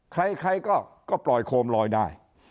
ใครก็ปล่อยโคมลอยได้